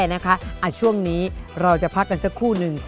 ทำแซ่นะคะช่วงนี้เราจะพักกันสักครู่หนึ่ง